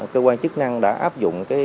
cơ quan chức năng đã áp dụng